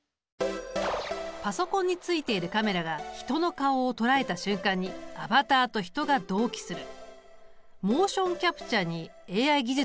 パソコンについているカメラが人の顔を捉えた瞬間にアバターと人が同期する。